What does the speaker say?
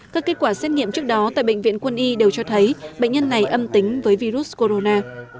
các kết quả xét nghiệm trước đó tại bệnh viện quân y đều cho thấy bệnh nhân này âm tính với virus corona